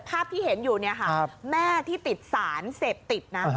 ภาพที่เห็นอยู่เนี่ยค่ะแม่ที่ติดสารเสพติดนะ